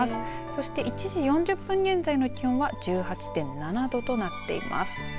そして１時４０分現在の気温は１８．７度となっています。